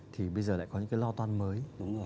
thì bây giờ lại có những cái lo toan mới